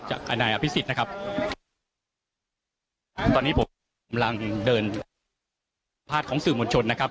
นายอภิษฎนะครับตอนนี้ผมกำลังเดินพาดของสื่อมวลชนนะครับ